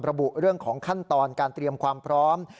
ระบุเรื่องของขั้นตอนการเตรียมความพร้อม